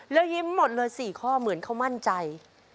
แล้วยิ้มหมดเลย๔ข้อเหมือนเขามั่นใจ